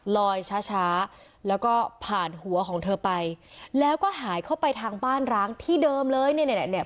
ลอยช้าช้าแล้วก็ผ่านหัวของเธอไปแล้วก็หายเข้าไปทางบ้านร้างที่เดิมเลยเนี่ย